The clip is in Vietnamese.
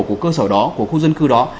của cơ sở đó của khu dân cư đó